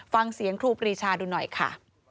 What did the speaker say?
ฟังเสียงครูปรีชาดูหน่อยค่ะ